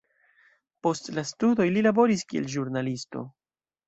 Post la studoj li laboris kiel ĵurnalisto.